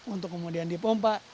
untuk kemudian dipompa